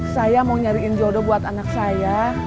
saya mau nyariin jodoh buat anak saya